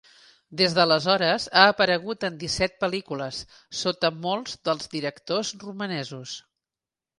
Des d'aleshores ha aparegut en disset pel·lícules, sota molts dels directors romanesos.